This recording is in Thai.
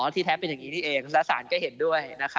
ที่แชทเป็นอย่างนี้นี่เองแล้วศาลก็เห็นด้วยนะครับ